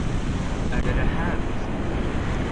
Är det det här huset?